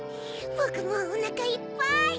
ぼくもうおなかいっぱい！